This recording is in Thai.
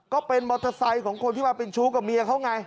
ก็เป็นมอเตอร์ไซค์ของคนที่มาเป็นชู้กับเมียเขาไง